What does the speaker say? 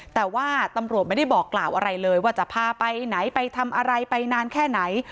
แต่ว่าตำรวจไม่ได้บอกกล่าวอะไรเลยว่าจะพาไปไหนไปทำอะไรไปนานแค่ไหน